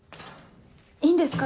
いいんですか？